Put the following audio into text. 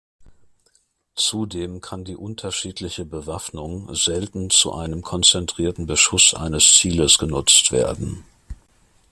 Zudem kann die unterschiedliche Bewaffnung selten zu einem konzentrierten Beschuss eines Zieles genutzt werden.